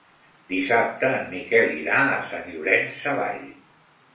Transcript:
Dissabte en Miquel irà a Sant Llorenç Savall.